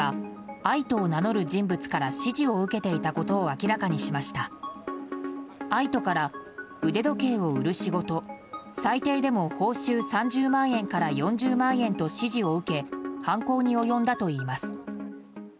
あいとから腕時計を売る仕事最低でも報酬３０万円から４０万円と指示を受け犯行に及んだといいます。